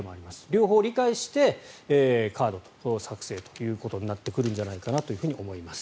両方理解してカードを作成ということになってくるんじゃないかと思います。